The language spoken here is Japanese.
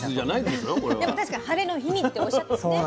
でも確かにハレの日にっておっしゃってね。